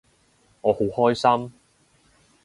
我好開心